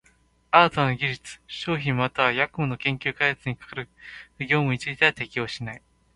新たな技術、商品又は役務の研究開発に係る業務については適用しない。